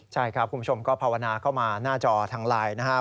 ใช่ครับคุณผู้ชมก็ภาวนาเข้ามาหน้าจอทางไลน์นะครับ